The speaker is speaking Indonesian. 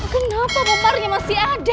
kenapa bomarnya masih ada